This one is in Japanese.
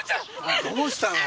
どうしたの？